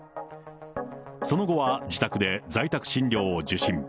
その後は自宅で在宅診療を受診。